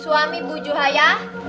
suami bu juhaya